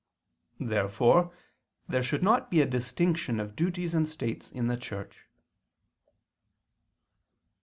Therefore there should not be a distinction of duties and states in the Church.